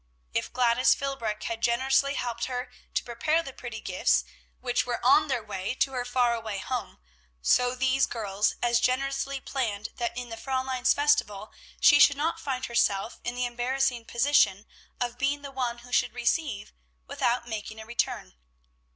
If Gladys Philbrick had generously helped her to prepare the pretty gifts which were on their way to her far away home, so these girls as generously planned that in the Fräulein's festival she should not find herself in the embarrassing position of being the one who should receive, without making a return.